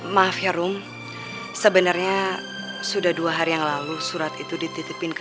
maaf ya room se bangs yang sebenarnya sudah dua hari yang lalu surat itu dititipin ke